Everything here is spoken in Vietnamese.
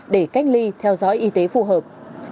để cách ly theo dõi y tế phù hợp